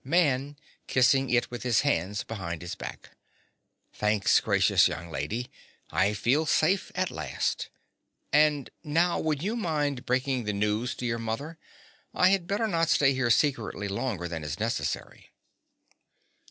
_) MAN. (kissing it with his hands behind his back). Thanks, gracious young lady: I feel safe at last. And now would you mind breaking the news to your mother? I had better not stay here secretly longer than is necessary.